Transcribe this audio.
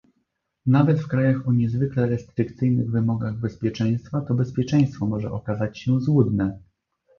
Nawet w krajach o niezwykle restrykcyjnych wymogach bezpieczeństwa to bezpieczeństwo może okazać się złudne